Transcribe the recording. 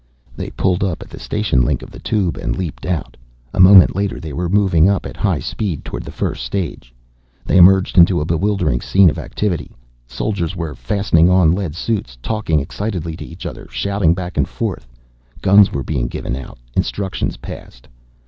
They pulled up at the station link of the Tube and leaped out. A moment later they were moving up at high speed toward the first stage. They emerged into a bewildering scene of activity. Soldiers were fastening on lead suits, talking excitedly to each other, shouting back and forth. Guns were being given out, instructions passed.